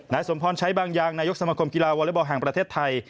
สมพรใช้บางอย่างนายกสมคมกีฬาวอเล็กบอลแห่งประเทศไทย